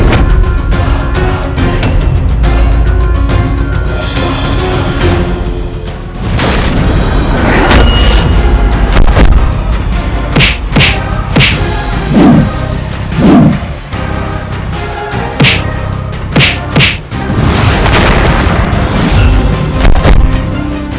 salah satunya sudah bagus